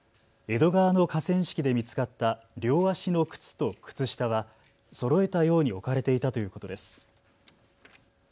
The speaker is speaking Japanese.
江戸川の河川敷で見つかった両足の靴と靴下はそろえたように置かれていたということです。